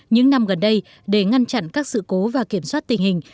những năm gần đây để ngăn chặn các sự cố và kiểm soát tình hình